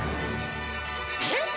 えっ！